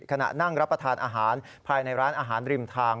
ขณะนั่งรับประทานอาหารภายในร้านอาหารริมทาง